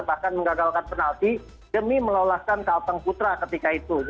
bahkan mengagalkan penalti demi meloloskan kalteng putra ketika itu